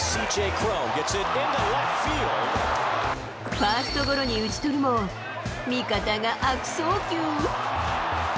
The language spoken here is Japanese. ファーストゴロに打ち取るも、味方が悪送球。